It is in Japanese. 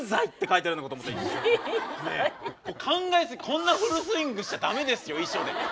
こんなフルスイングしちゃダメですよ遺書で。